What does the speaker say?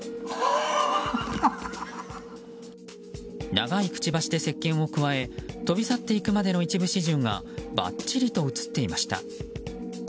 長いくちばしでせっけんをくわえ飛び去っていくまでの一部始終がばっちりと映っていました。